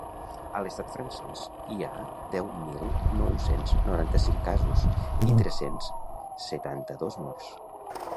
A l’estat francès hi ha deu mil nou-cents noranta-cinc casos i tres-cents setanta-dos morts.